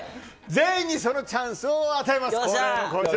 全員にそのチャンスを与えます。